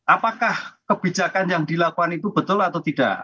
apakah kebijakan yang dilakukan itu betul atau tidak